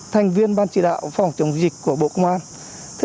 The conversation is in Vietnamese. thành viên ban chỉ đạo phòng chống dịch của bộ công an